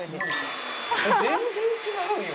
全然違うよ。